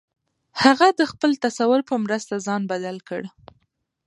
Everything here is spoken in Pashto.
هغه د خپل تصور په مرسته ځان بدل کړ